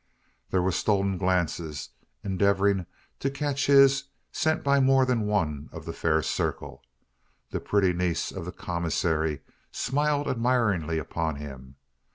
There were stolen glances, endeavouring to catch his, sent by more than one of the fair circle. The pretty niece of the commissary smiled admiringly upon him.